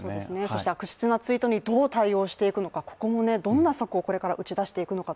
そして悪質なツイートにどう対応していくのかここもどんな策をこれから打ち出していくのか